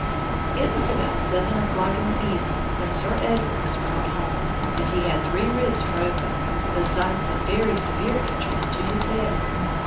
It was about seven o'clock in the evening when Sir Edward was brought home, and he had three ribs broken, besides some very severe injuries to his head.